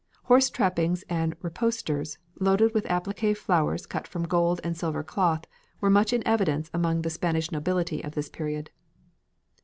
Horse trappings and reposters, loaded with appliqué flowers cut from gold and silver cloth, were much in evidence among the Spanish nobility of this period.